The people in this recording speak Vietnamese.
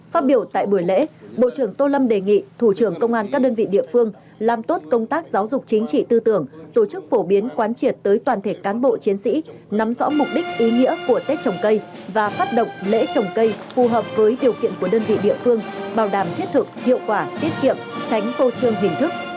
phát biểu tại buổi lễ bộ trưởng tô lâm đề nghị thủ trưởng công an các đơn vị địa phương làm tốt công tác giáo dục chính trị tư tưởng tổ chức phổ biến quán triệt tới toàn thể cán bộ chiến sĩ nắm rõ mục đích ý nghĩa của tết trồng cây và phát động lễ trồng cây phù hợp với điều kiện của đơn vị địa phương bảo đảm thiết thực hiệu quả tiết kiệm tránh phô trương hình thức